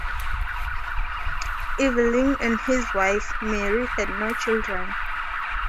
Eveleigh and his wife, Mary, had no children.